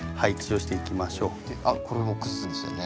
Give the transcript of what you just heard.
あっこれも崩すんでしたよね。